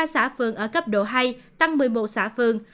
năm mươi ba xã phường ở cấp độ hai tăng một mươi một xã phường